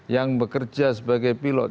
yang bekerja sebagai pilot